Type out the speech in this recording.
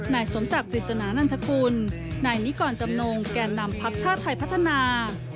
นายสมศักดิ์ปริศนานันทกุลนายนิกรจำนงแก่นำพักชาติไทยพัฒนา